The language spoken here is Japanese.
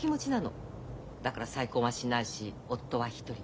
だから再婚はしないし夫は一人。